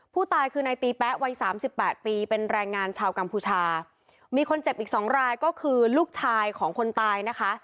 ผู้ตายคือนายตีแป๊ะวัยสามสิบแปดปีเป็นแรงงานชาวกัมพูชามีคนเจ็บอีกสองรายก็คือลูกชายของคนตายนะคะ